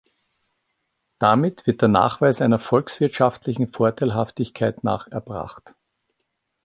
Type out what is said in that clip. Damit wird der Nachweis einer volkswirtschaftlichen Vorteilhaftigkeit nach erbracht.